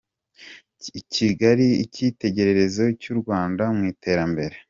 Kigali icyitegererezo cy’u Rwanda mu iterambere